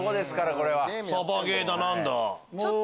サバゲーだ何だ。